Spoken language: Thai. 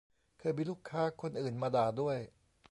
เคยมีลูกค้าคนอื่นมาด่าด้วย